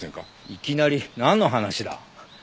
いきなりなんの話だ？